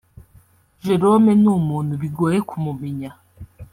Jerome ni umuntu bigoye kumumenya